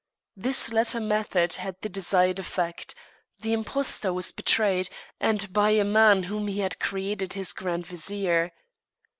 This latter method had the desired effect: the impostor was betrayed, and by a man whom he had created his Grand Vizier.